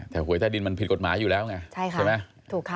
แต่หวยใต้ดินมันผิดกฎหมายอยู่แล้วไงใช่ค่ะใช่ไหมถูกค่ะ